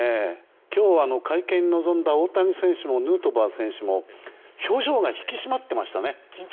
今日は会見に臨んだ大谷選手もヌートバー選手も表情が引き締まっていましたね。